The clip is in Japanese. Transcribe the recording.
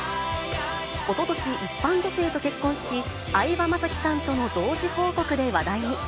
おととし、一般女性と結婚し、相葉雅紀さんとの同時報告で話題に。